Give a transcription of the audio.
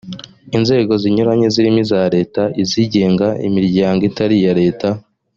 inzego zinyuranye zirimo iza leta, izigenga, imiryango itari iya leta